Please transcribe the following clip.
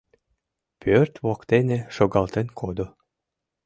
Пӧрт воктене шогалтен кодо.